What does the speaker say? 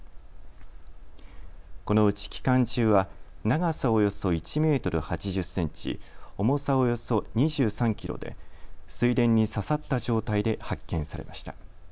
このうち機関銃は長さおよそ１メートル８０センチ重さおよそ２３キロで水田に刺さった状態で発見されました。